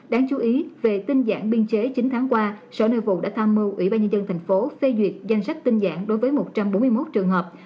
đáng chú ý về tình dạng biên chế chín tháng qua sở nội vụ đã tham mưu ủy ban nhân dân tp hcm xây duyệt danh sách tình dạng đối với một trăm bốn mươi một trường hợp